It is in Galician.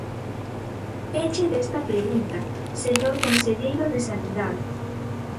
Peche desta pregunta, señor conselleiro de Sanidade.